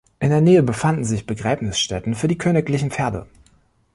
In der Nähe befanden sich Begräbnisstätten für die königlichen Pferde.